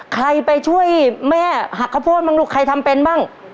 ใครไปช่วยแม่หักข้าวโพดบ้างลูกใครทำเป็นบ้าง